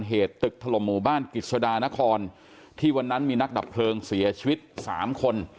เหตุตึกถล่มหมู่บ้านกิจสดานครที่วันนั้นมีนักดับเพลิงเสียชีวิตสามคน